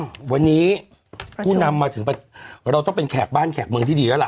วันนี้ผู้นำมาถึงเราต้องเป็นแขกบ้านแขกเมืองที่ดีแล้วล่ะ